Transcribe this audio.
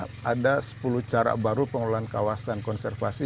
terlalu banyak cara baru pengelolaan kawasan konservasi